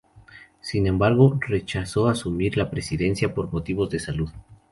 Sin embargo, rechazó asumir la presidencia, por motivos de salud.